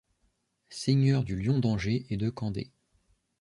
Seigneur du Lion d'Angers et de Candé.